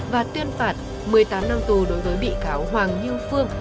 và tuyên phạt một mươi tám năm tù đối với bị cáo hoàng như phương